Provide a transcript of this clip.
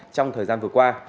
trong thời gian vừa qua